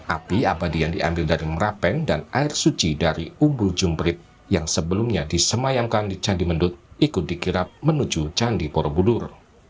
api abadi yang diambil dari merapen dan air suci dari umbul jumprit yang sebelumnya disemayamkan di candi mendut ikut dikirap menuju candi borobudur